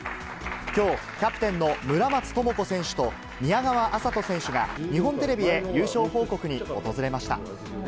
きょう、キャプテンの村松智子選手と、宮川麻都選手が日本テレビへ優勝報告に訪れました。